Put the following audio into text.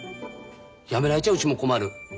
辞められちゃうちも困る。